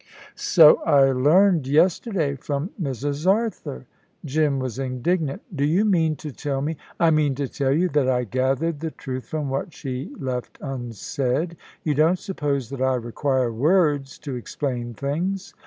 "So I learned yesterday from Mrs. Arthur." Jim was indignant. "Do you mean to tell me ?" "I mean to tell you that I gathered the truth from what she left unsaid. You don't suppose that I require words to explain things."